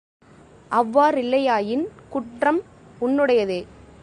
அவ்வாறில்லையாயின் குற்றம் உன்னுடையதே.